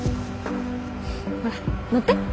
ほら乗って。